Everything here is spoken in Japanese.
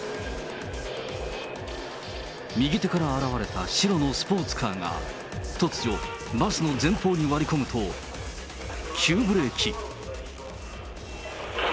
右手から現れた白のスポーツカーが、突如、バスの前方に割り込むと、急ブレーキ。